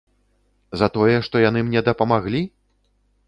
За тое, што яны мне дапамаглі?